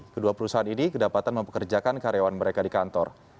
kedua perusahaan ini kedapatan mempekerjakan karyawan mereka di kantor